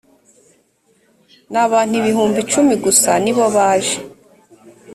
n abantu ibihumbi cumim gusa nibo baje